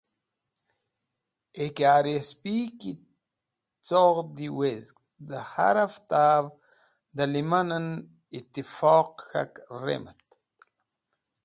AKRSP ki coghdi wezg, dẽ har hafta’v dẽ liman en itifoq k̃hak remet.